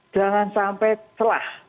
jangan sampai telah